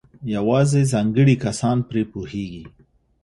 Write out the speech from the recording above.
یوازې ځانګړي کسان پرې پوهېږي.